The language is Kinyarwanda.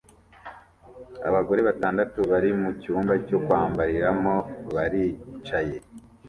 Abagore batandatu bari mu cyumba cyo kwambariramo baricaye